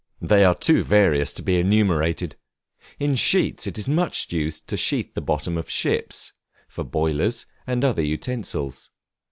They are too various to be enumerated. In sheets it is much used to sheathe the bottoms of ships, for boilers, and other utensils.